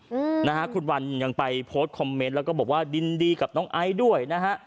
อืมนะฮะคุณวันยังไปโพสต์คอมเมนต์แล้วก็บอกว่ายินดีกับน้องไอซ์ด้วยนะฮะ